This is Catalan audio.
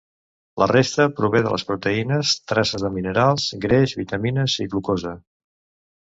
La resta prové de les proteïnes, traces de minerals, greix, vitamines i glucosa.